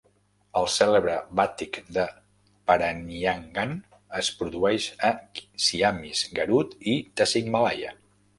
El cèlebre bàtik de Parahyangan es produeix a Ciamis, Garut i Tasikmalaya.